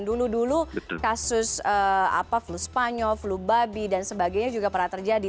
dulu dulu kasus flu spanyol flu babi dan sebagainya juga pernah terjadi